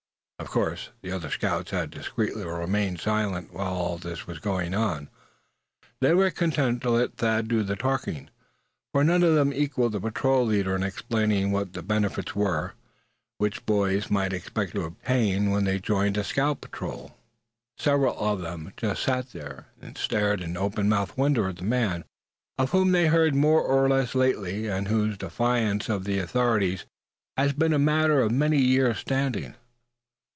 Of course, the other scouts had discreetly remained silent while all this was going on. They were content to let Thad do the talking, for none of them could equal the patrol leader in explaining what the benefits were, which boys might expect to obtain when they joined a scout patrol. Several of them just sat there, and stared in open mouthed wonder at the man, of whom they had heard more or less lately, and whose defiance of the authorities had been a matter of many years' standing.